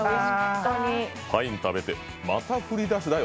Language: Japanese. パイン食べて「また振り出しだよ」